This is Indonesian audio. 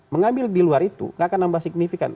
mengambil di luar itu gak akan nambah signifikan